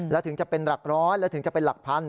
และถึงจะเป็นหลักร้อยและถึงจะเป็นหลักพัน